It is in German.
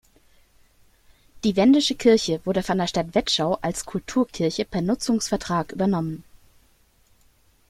Die wendische Kirche wurde von der Stadt Vetschau als Kulturkirche per Nutzungsvertrag übernommen.